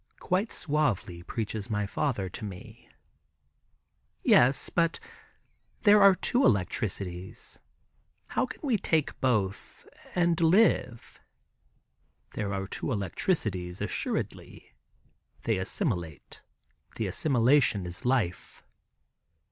Quite suavely preaches my father to me. "Yes, but there are two electricities; how could we take both and live?" "There are two electricities, assuredly. They assimilate; the assimilation is life."